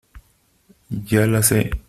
ya la sé .